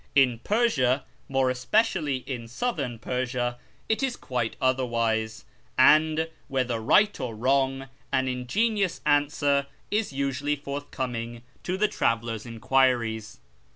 In Persia, more especially in Southern Persia, it is quite otherwise ; and, whether right or wrong, an ingenious answer is usually forthcoming to the traveller's enquiries.